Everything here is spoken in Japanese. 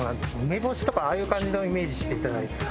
梅干しとかああいう感じのイメージしていただいて。